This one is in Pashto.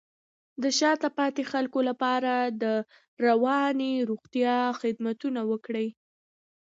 د شاته پاتې خلکو لپاره د رواني روغتیا خدمتونه ورکړئ.